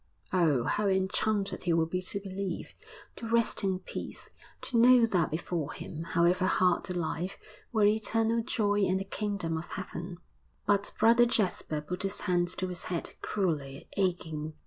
Oh, how enchanted he would be to believe, to rest in peace, to know that before him, however hard the life, were eternal joy and the kingdom of heaven. But Brother Jasper put his hands to his head cruelly aching.